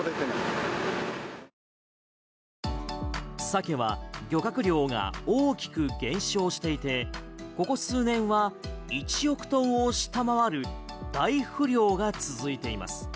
サケは漁獲量が大きく減少していてここ数年は１億トンを下回る大不漁が続いています。